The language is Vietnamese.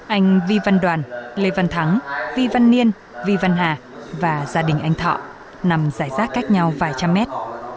anh vi văn đoàn lê văn thắng vi văn niên vi văn hà và gia đình anh thọ nằm giải rác cách nhau vài trăm mét